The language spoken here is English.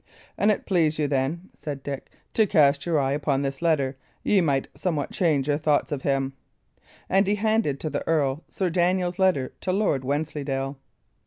"An it pleased you, then," said Dick, "to cast your eye upon this letter, ye might somewhat change your thought of him;" and he handed to the earl Sir Daniel's letter to Lord Wensleydale.